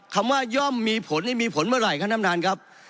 คำว่าย่อมมีผลนี่มีผลเมื่อไหร่ครับน้ำนานครับ